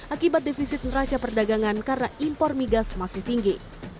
akibat defisit neraca perdagangan karena impor migas masih tinggi